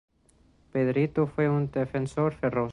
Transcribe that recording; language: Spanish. Pedrito fue un defensor feroz.